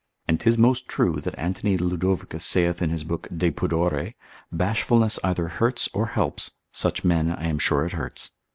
And 'tis most true, that Antony Ludovicus saith in his book de Pudore, bashfulness either hurts or helps, such men I am sure it hurts.